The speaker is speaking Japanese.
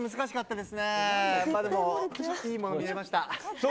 でもいいものが見れました。